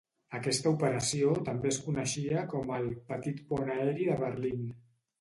Aquesta operació també es coneixia com el "Petit pont aeri de Berlín".